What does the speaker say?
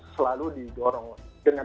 selalu didorong dengan